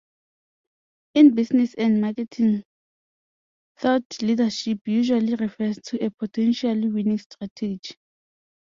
In business and marketing 'thought leadership' usually refers to a potentially winning strategy.